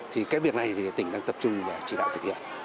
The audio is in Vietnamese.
thì cái việc này thì tỉnh đang tập trung để chỉ đạo thực hiện